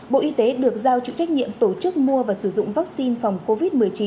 bộ y tế được giao chịu trách nhiệm tổ chức mua và sử dụng vaccine phòng covid một mươi chín